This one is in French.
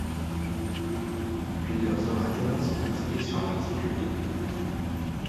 Plusieurs orateurs sont inscrits sur l’article deux.